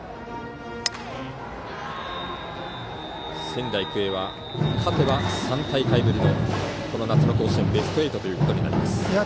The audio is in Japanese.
仙台育英は勝てば３大会ぶりのこの夏の甲子園ベスト８ということになります。